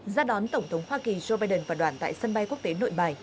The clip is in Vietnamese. ra đón tổng thống hoa kỳ joe biden và đoàn tại sân bay quốc tế nội bài